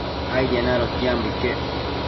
Aidien adotiambo iquec